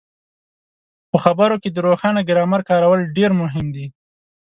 په خبرو کې د روښانه ګرامر کارول ډېر مهم دي.